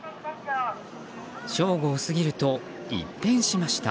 正午を過ぎると一変しました。